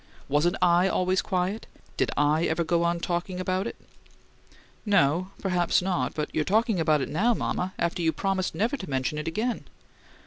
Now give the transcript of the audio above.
Wasn't I always quiet? Did I ever go on talking about it?" "No; perhaps not. But you're talking about it now, mama, after you promised never to mention it again."